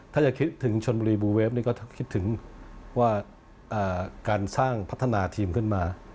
ถ้าจะคิดถึงชนบุรีบูเวฟนี่ก็คิดถึงว่าการสร้างพัฒนาทีมขึ้นมา